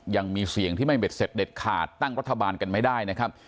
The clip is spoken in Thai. ยังมีเสียงที่ไม่เด็ดเสร็จเด็ดขาดตั้งรัฐบาลกันไม่ได้นะครับ